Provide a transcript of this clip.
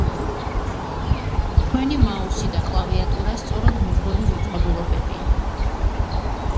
თქვენი მაუსი და კლავიატურა სწორედ მიმღები მოწყობილობებია